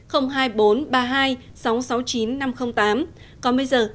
hoặc qua số điện thoại hai nghìn bốn trăm ba mươi hai sáu trăm sáu mươi chín năm trăm linh tám